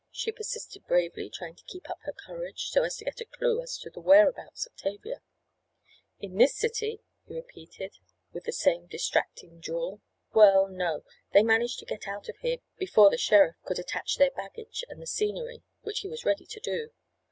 she persisted bravely, trying to keep up her courage, so as to get a clue as to the whereabouts of Tavia. "In this city?" he repeated with the same distracting drawl. "Well, no. They managed to get out of here before the sheriff could attach their baggage and the scenery, which he was ready to do.